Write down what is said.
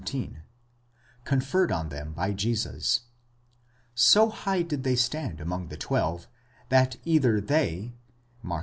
17),5 conferred on them by Jesus. So high did they stand among the twelve, that either they (Mark xi.